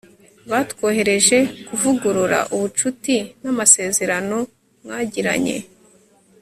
batwohereje kuvugurura ubucuti n'amasezerano mwagiranye